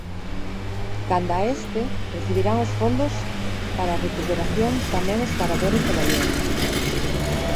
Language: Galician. Canda a este, recibirán fondos para recuperación tamén os paradores de Baiona.